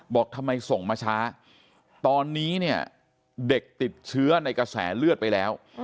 บอกทำไมส่งมาช้าตอนนี้เนี่ยเด็กติดเชื้อในกระแสเลือดไปแล้ว